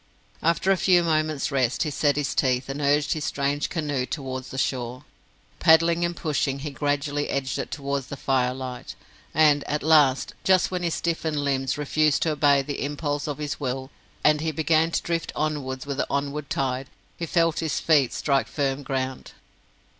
After a few moments' rest, he set his teeth, and urged his strange canoe towards the shore. Paddling and pushing, he gradually edged it towards the fire light; and at last, just when his stiffened limbs refused to obey the impulse of his will, and he began to drift onwards with the onward tide, he felt his feet strike firm ground.